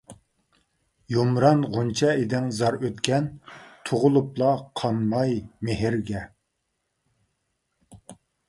يۇمران غۇنچە ئىدىڭ زار ئۆتكەن، تۇغۇلۇپلا قانماي مېھىرگە.